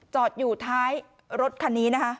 จอดอยู่ท้ายรถคันนี้นะคะ